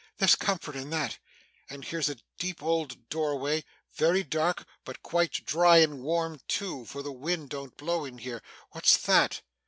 There's comfort in that. And here's a deep old doorway very dark, but quite dry, and warm too, for the wind don't blow in here What's that!